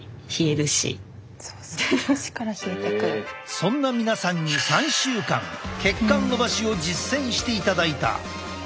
そんな皆さんに３週間血管のばしを実践していただいた。